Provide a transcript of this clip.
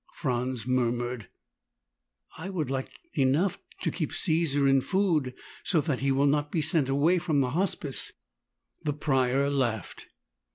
Franz murmured, "I would like enough to keep Caesar in food, so that he will not be sent away from the Hospice." The Prior laughed.